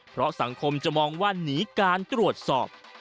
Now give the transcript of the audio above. เพราะสังคมจะมองว่าหนีการตรวจสอบ